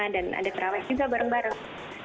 dan ada terawet juga bareng bareng